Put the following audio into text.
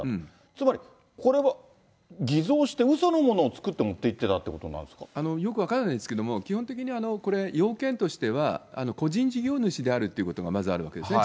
つまりこれは偽造してうそのものを作って持っていってたっていうよく分からないんですけれども、基本的にこれ、要件としては、個人事業主であるということがまずあるわけですね。